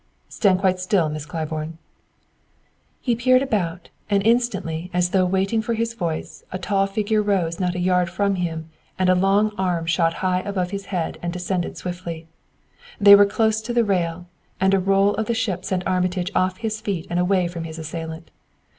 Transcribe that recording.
"Stand quite still, Miss Claiborne." He peered about, and instantly, as though waiting for his voice, a tall figure rose not a yard from him and a long arm shot high above his head and descended swiftly. They were close to the rail, and a roll of the ship sent Armitage off his feet and away from his assailant.